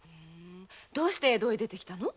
どうして江戸へ出て来たの？